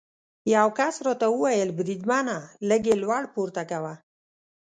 یو کس راته وویل: بریدمنه، لږ یې لوړ پورته کوه.